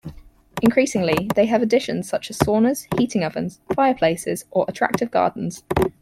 Increasingly they have additions such as saunas, heating ovens, fireplaces or attractive gardens.